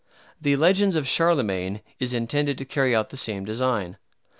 The "Legends of Charlemagne" is intended to carry out the same design.